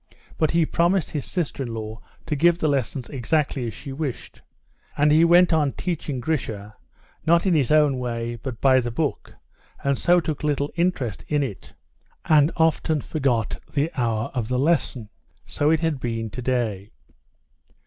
But he promised his sister in law to give the lessons exactly as she wished. And he went on teaching Grisha, not in his own way, but by the book, and so took little interest in it, and often forgot the hour of the lesson. So it had been today.